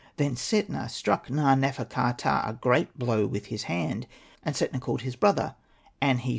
Then Setna struck Na.nefer.ka.ptah a great blow with his hand. And Setna called his brother An.he.